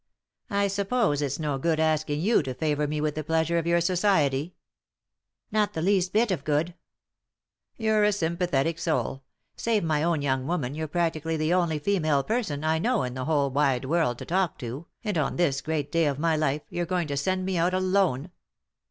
I suppose it's no good asking you to favour me with the pleasure of your society ?"" Not the least bit of good" "You're a sympathetic soul. Save my own young woman, you're practically the only female person I know in the whole wide world to talk to, and, on this great day of my life, you're going to send me out alone."